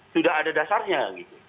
sudah ada dasarnya gitu